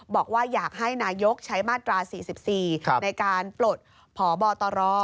บอกว่าอยากให้นายกใช้มาตรา๔๔ในการปลดพบตร